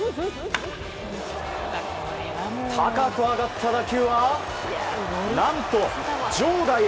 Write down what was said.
高く上がった打球は、何と場外へ。